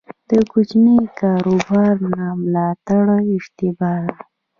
د کوچني کاروبار نه ملاتړ اشتباه ده.